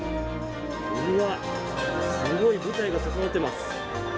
うわ、すごい舞台が整ってます。